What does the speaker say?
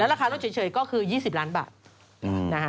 แล้วราคารถเฉยก็คือ๒๐ล้านบาทนะฮะ